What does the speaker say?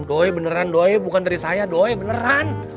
doi beneran doi bukan dari saya doi beneran